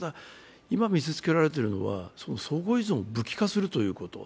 ただ今見せつけられているのは相互依存を武器化するということ。